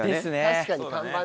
確かに看板ね。